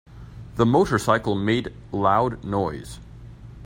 The motorcycle made loud noise.